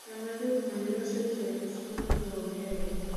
Kama japuonjre osetieko somo to oonge gi